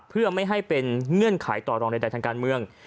เพื่อไม่ให้เป็นเงื่อนไขต่อรองใดทางการเมือง